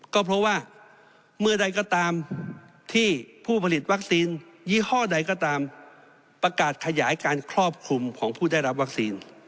ก็เพราะว่าเมื่อใดก็ตามที่ผู้ผลิตวัคซีนยี่ห้อใดก็ตามประกาศขยายการครอบคลุมของผู้ได้รับวัคซีน